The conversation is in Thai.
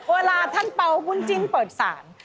เวลาท่านเป่าบุญจิ้นเปิดศาล